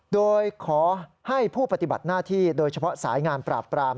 โดยขอให้ผู้ปฏิบัติหน้าที่โดยเฉพาะสายงานปราบปราม